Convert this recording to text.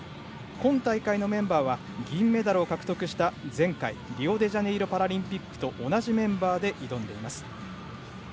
今大会のメンバーは銀メダルを獲得した前回のリオデジャネイロパラリンピックと同じメンバーで挑んでいます。